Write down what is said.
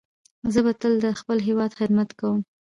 زه به تل د خپل هیواد خدمت کوم.